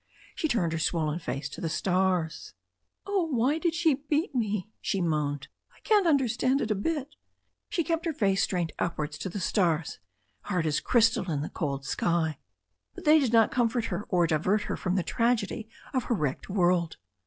She turned her swollen face up to the stars. "Oh, why did she beat me?" she moaned. "I can't un derstand it a bit." She kept her face strained upwards to the stars, hard as crystal in the cold sky. But they did not comfort her, or divert her from the tragedy of her wrecked world.